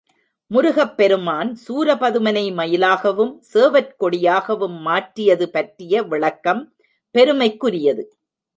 முருகப்பெருமான் சூரபதுமனை மயிலாகவும், சேவற்கொடியாகவும் மாற்றியது பற்றிய விளக்கம் பெருமைக்குரியது.